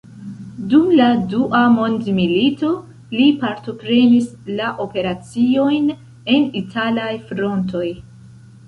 Dum la Dua mondmilito li partoprenis la operaciojn en italaj frontoj.